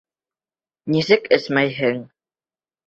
Нисек эсмәйһең?